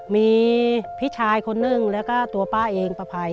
มีพี่ชายคนนึงแล้วก็ตัวป้าเองป้าภัย